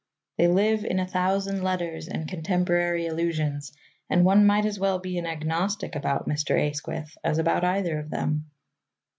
They live in a thousand letters and contemporary illusions, and one might as well be an agnostic about Mr. Asquith as about either of them.